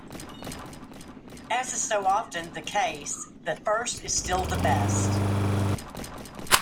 As is so often the case, the first is still the best.